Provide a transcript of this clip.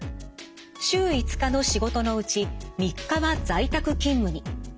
週５日の仕事のうち３日は在宅勤務に。